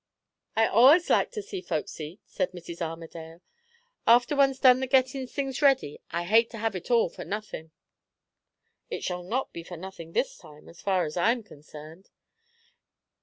"I allays like to see folks eat," said Mrs. Armadale. "After one's done the gettin' things ready, I hate to have it all for nothin'." "It shall not be for nothing this time, as far as I am concerned."